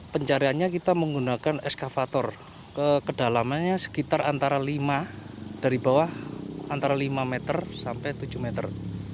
pencariannya kita menggunakan eskavator kedalamannya sekitar antara lima dari bawah antara lima meter sampai tujuh meter